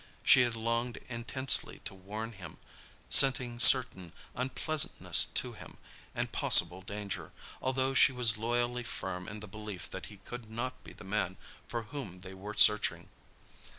She had longed intensely to warn him—scenting certain unpleasantness to him, and possible danger, although she was loyally firm in the belief that he could not be the man for whom they were searching.